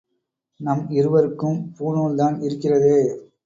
நம் இருவருக்கும் பூணூல்தான் இருக்கிறதே.